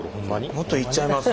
もっといっちゃいます？